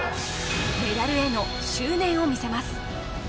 メダルへの執念をみせます